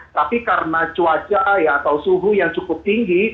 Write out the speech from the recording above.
tapi karena cuaca atau suhu yang cukup tinggi